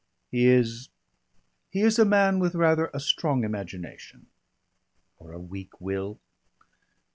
"He is he is a man with rather a strong imagination." "Or a weak will?"